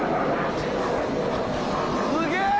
すげえ！